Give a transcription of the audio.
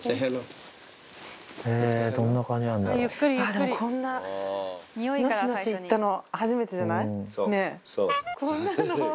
でもこんな、のしのし行ったの初めてじゃない？ね。